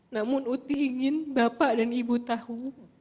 namun uti ingin bapak dan ibu tahu